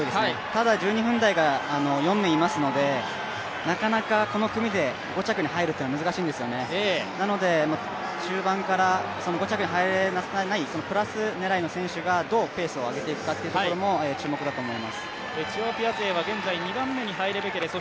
ただ１２分台が４名いますのでなかなかこの組で５着に入るというのは難しいんですなので中盤から５着に入れないプラス狙いの選手がどうペースを上げていくかというところも注目だと思います。